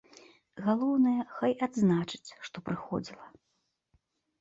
Галоўнае, хай адзначаць, што прыходзіла.